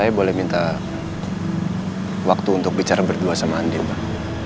saya boleh minta waktu untuk bicara berdua sama andin pak